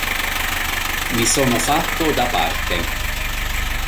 Mi sono fatto da parte.